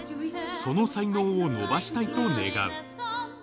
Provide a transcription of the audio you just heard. その才能を伸ばしたいと願う